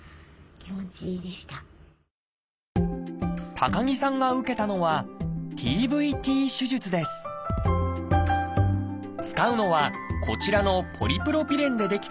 高木さんが受けたのは使うのはこちらのポリプロピレンで出来たテープ。